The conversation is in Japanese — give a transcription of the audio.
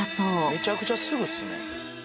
めちゃくちゃすぐですね。